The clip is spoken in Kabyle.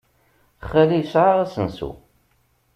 Xali yesɛa asensu.